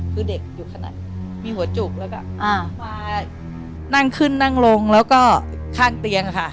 คือเด็กอยู่ขนาดมีหัวจุกแล้วก็มานั่งขึ้นนั่งลงแล้วก็ข้างเตียงค่ะ